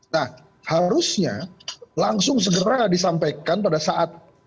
nah harusnya langsung segera disampaikan pada saat